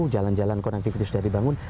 jalan jalan konektivitas sudah dibangun